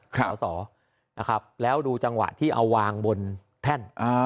คราวศอแล้วดูจังหวะที่เอาวางบนแท่น